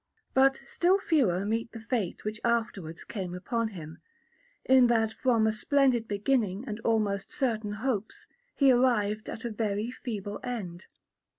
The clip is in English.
But still fewer meet the fate which afterwards came upon him, in that from a splendid beginning and almost certain hopes, he arrived at a very feeble end.